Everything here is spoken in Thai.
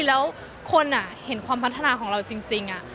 แล้วคนเห็นความพัฒนาของเราจริง